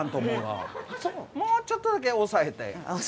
もうちょっとだけ抑えて。